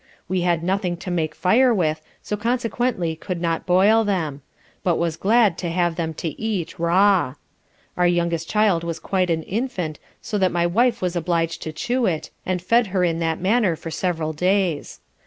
We had nothing to make fire with, so consequently could not boil them: But was glad to have them to eat raw. Our youngest child was quite an infant; so that my wife was obliged to chew it, and fed her in that manner for several days.